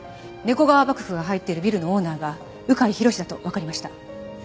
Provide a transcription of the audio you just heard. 猫川幕府が入っているビルのオーナーが鵜飼博だとわかりました。